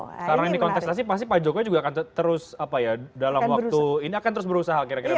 karena ini kontestasi pasti pak jokowi juga akan terus dalam waktu ini akan terus berusaha kira kira begitu ya